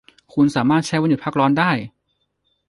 คุณสามารถใช้วันหยุดพักร้อนได้